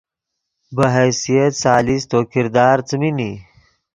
بہ حیثیت ثالث تو کردار څیمین ای